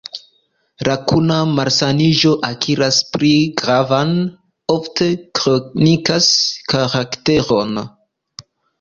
La kuna malsaniĝo akiras pli gravan, ofte kronikan karakteron.